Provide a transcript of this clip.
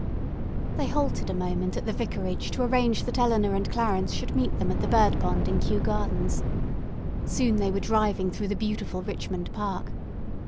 They halted a moment at the vicarage to arrange that Eleanor and Clarence should meet them at the bird pond in Kew Gardens. Soon they were driving through the beautiful Richmond Park.